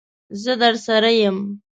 زه درسره یم.